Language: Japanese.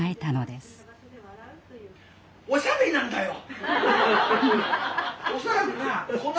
「おしゃべりなんだよ！」。